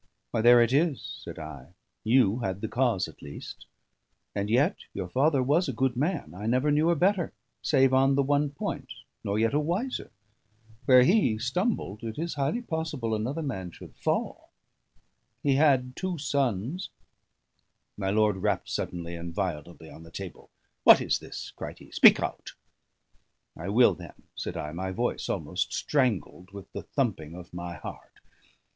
"Why, there it is," said I. "You had the cause at least. And yet your father was a good man; I never knew a better, save on the one point, nor yet a wiser. Where he stumbled, it is highly possible another man should fall. He had the two sons " My lord rapped suddenly and violently on the table. "What is this?" cried he. "Speak out!" "I will, then," said I, my voice almost strangled with the thumping of my heart.